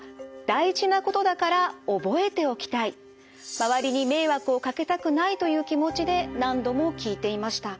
周りに迷惑をかけたくないという気持ちで何度も聞いていました。